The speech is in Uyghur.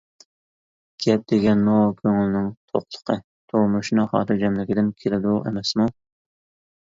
گەپ دېگەنمۇ كۆڭۈلنىڭ توقلۇقى، تۇرمۇشنىڭ خاتىرجەملىكىدىن كېلىدۇ ئەمەسمۇ.